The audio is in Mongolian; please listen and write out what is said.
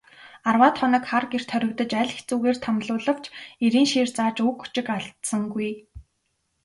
Арваад хоног хар гэрт хоригдож, аль хэцүүгээр тамлуулавч эрийн шийр зааж үг өчиг алдсангүй.